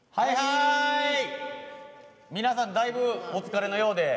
皆さんだいぶお疲れのようで。